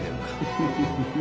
フフフフ。